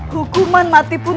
hukuman mati pun